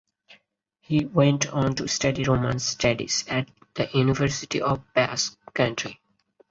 He went on to study romance studies at the University of the Basque Country.